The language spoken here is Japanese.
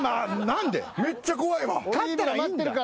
勝ったらいいんだ。